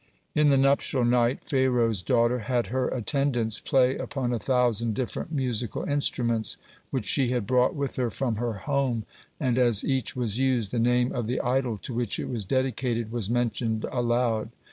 In the nuptial night Pharaoh's daughter had her attendants play upon a thousand different musical instruments, which she had brought with her from her home, and as each was used, the name of the idol to which it was dedicated was mentioned aloud.